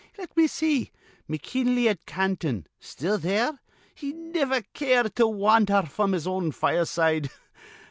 Let me see. McKinley at Canton. Still there. He niver cared to wandher fr'm his own fireside.